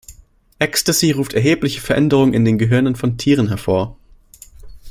Ecstasy ruft erhebliche Veränderungen in den Gehirnen von Tieren hervor.